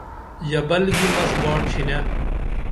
ژبل گی مس باٹ چھنے۔